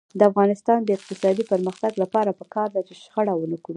د افغانستان د اقتصادي پرمختګ لپاره پکار ده چې شخړه ونکړو.